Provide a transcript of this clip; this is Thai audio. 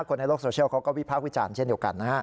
คนในโลกโซเชียลเขาก็วิพากษ์วิจารณ์เช่นเดียวกันนะฮะ